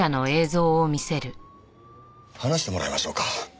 話してもらいましょうか。